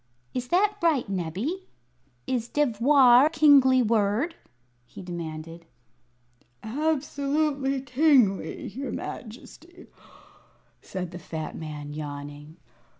"Is that right, Nebbie? Is 'devoir' a kingly word?" he demanded. "Absolutely kingly, your Majesty," said the fat man, yawning.